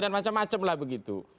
dan macam macam lah begitu